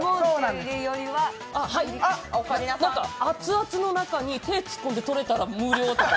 熱々の中に手を突っ込んで取れたら無料とか。